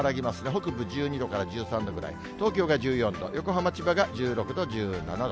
北部１２度から１３度ぐらい、東京が１４度、横浜、千葉が１６度、１７度。